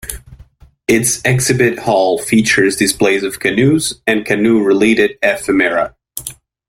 Its Exhibit Hall features displays of canoes and canoe related ephemera.